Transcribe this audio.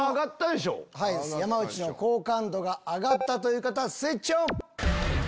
山内の好感度が上がったという方スイッチＯＮ！